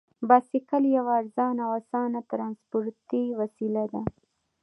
بایسکل یوه ارزانه او اسانه ترانسپورتي وسیله ده.